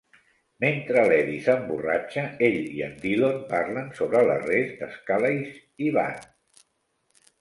Mentre l'Eddie s'emborratxa, ell i en Dillon parlen sobre l'arrest de Scalise i Van.